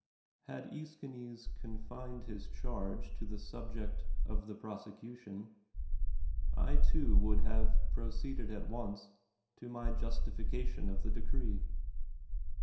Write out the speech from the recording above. Had ^Eschines confined his charge to the sub ject of the prosecution, I too would have proceed ed at once to my justification of the decree.